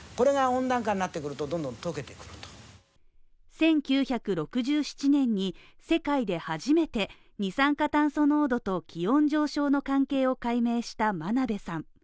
１９６７年に世界で初めて二酸化炭素濃度と気温上昇の関係を解明した真鍋さん。